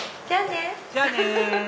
じゃあね！